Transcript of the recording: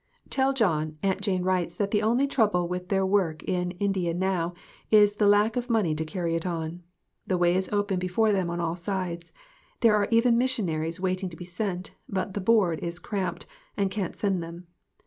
Tell John Aunt Jane writes that the only trouble with their work in India now is the lack of money to carry it on. The way is open before them on all sides. There are even missionaries waiting to be sent, but the "Board" is cramped, and can't send them.